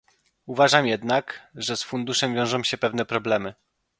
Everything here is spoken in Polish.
Uważam jednak, że z funduszem wiążą się pewne problemy